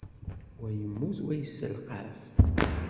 Wa yemmut, wa yesselqaf.